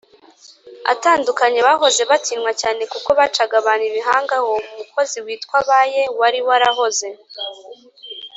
atandukanye bahoze batinywa cyane kuko bacaga abantu ibihanga Uwo mukozi witwa Ba Yee wari warahoze